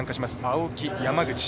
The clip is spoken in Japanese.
青木、山口。